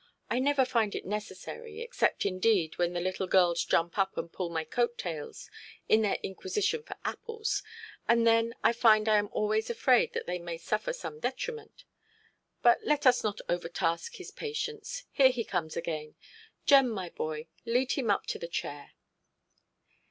I never find it necessary, except, indeed, when the little girls jump up and pull my coat–tails, in their inquisition for apples, and then I am always afraid that they may suffer some detriment. But let us not overtask his patience; here he comes again. Jem, my boy, lead him up to the chair".